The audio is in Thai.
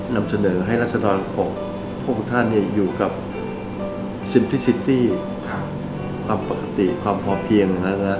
นำเสนอให้รัฐสนรกพวกคุณท่านให้อยู่กับความปกติความพอเพียง